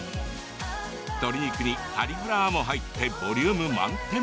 鶏肉にカリフラワーも入ってボリューム満点。